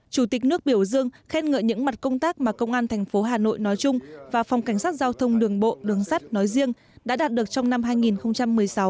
chủ tịch nước biểu dương khen ngợi những mặt công tác mà công an thành phố hà nội nói chung và phòng cảnh sát giao thông đường bộ đường sắt nói riêng đã đạt được trong năm hai nghìn một mươi sáu